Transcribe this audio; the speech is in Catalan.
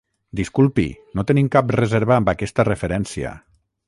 Disculpi, no tenim cap reserva amb aquesta referència.